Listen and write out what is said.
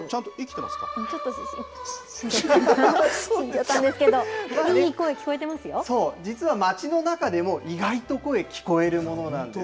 ちょっと、死んじゃったんですけど、そう、実は街の中でも、意外と声、聞こえるものなんです。